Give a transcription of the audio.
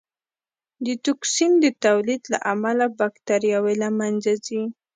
د ټوکسین د تولید له امله بکټریاوې له منځه ځي.